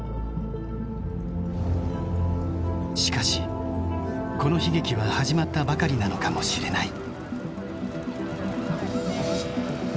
しかしこの悲劇は始まったばかりなのかもしれない。